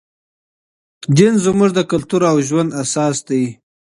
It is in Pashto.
دین زموږ د کلتور او ژوند اساس دی.